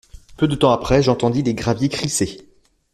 Peu de temps après, j’entendis les graviers crisser.